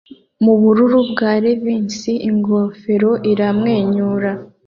nubururu bwa Ravins ingofero iramwenyura